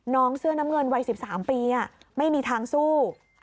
เสื้อน้ำเงินวัย๑๓ปีไม่มีทางสู้